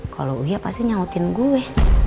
kalau ya pasti nyautin gue